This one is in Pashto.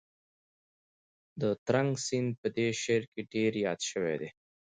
د ترنک سیند په دې شعر کې ډېر یاد شوی دی.